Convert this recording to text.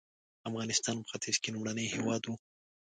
افغانستان په ختیځ کې لومړنی هېواد و.